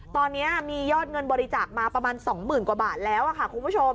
ตอนนี้มียอดเงินบริจาคมาประมาณ๒๐๐๐กว่าบาทแล้วค่ะคุณผู้ชม